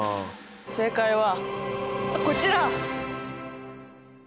正解はこちら！